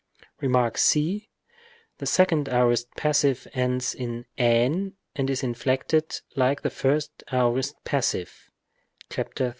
Rem. c. The second aorist passive ends in ἣν and is inflected like the first aorist passive (§ 38).